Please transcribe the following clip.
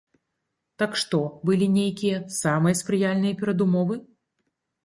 Там што, былі нейкія самыя спрыяльныя перадумовы?